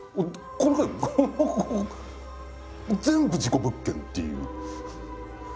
これがこの全部事故物件っていう。